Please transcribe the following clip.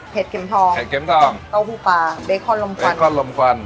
เผ็ดเก็มทองเพ็ดเก็มทองโต้ฮูปลาเบคอนลมควัน